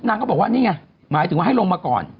ก็บอกว่านี่ไงหมายถึงว่าให้ลงมาก่อน